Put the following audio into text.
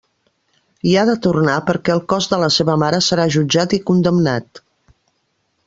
Hi ha de tornar perquè el cos de la seva mare serà jutjat i condemnat.